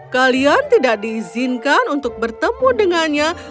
kalian tidak diizinkan untuk bertemu dengannya